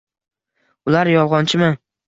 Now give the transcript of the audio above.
-Ular yolg’onchimi?